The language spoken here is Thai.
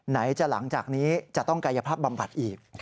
ไหนจะหลังจากนี้จะต้องกายภาพบำบัดอีก